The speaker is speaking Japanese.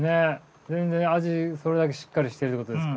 全然味それだけしっかりしてるってことですか。